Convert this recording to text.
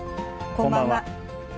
こんばんは。